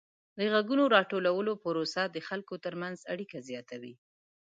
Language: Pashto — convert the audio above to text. د غږونو راټولولو پروسه د خلکو ترمنځ اړیکه زیاتوي.